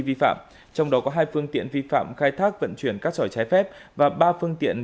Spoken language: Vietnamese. vi phạm trong đó có hai phương tiện vi phạm khai thác vận chuyển cát sỏi trái phép và ba phương tiện